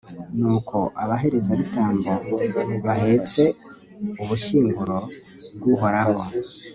nuko abaherezabitambo bahetse ubushyinguro bw'uhoraho